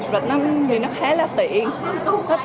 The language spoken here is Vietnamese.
rạch năm thì nó khá là tiện